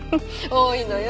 多いのよ